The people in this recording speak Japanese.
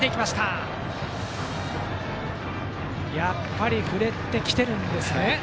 やっぱり振れてきていますね。